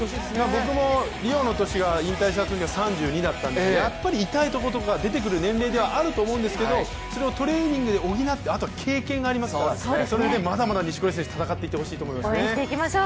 僕もリオの年が引退したのが３２だったんですけどやっぱり痛いところが出てくる年齢ではあるんですけどそれをトレーニングで補って経験がありますから錦織選手まだまだ戦っていってほしいと思います。